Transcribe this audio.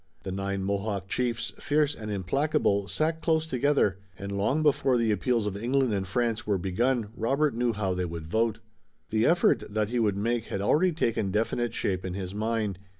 The nine Mohawk chiefs, fierce and implacable, sat close together, and long before the appeals of England and France were begun Robert knew how they would vote. The effort that he would make had already taken definite shape in his mind.